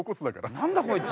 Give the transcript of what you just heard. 何だこいつ。